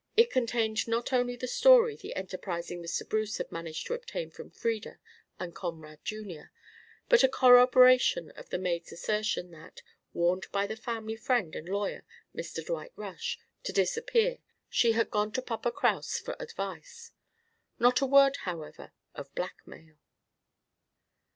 It contained not only the story the enterprising Mr. Bruce had managed to obtain from Frieda and Conrad Jr., but a corroboration of the maid's assertion that, warned by the family friend and lawyer, Mr. Dwight Rush, to disappear, she had gone to Papa Kraus for advice. Not a word, however, of blackmail.